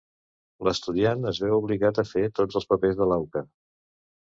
L'estudiant es veu obligat a fer tots els papers de l'auca.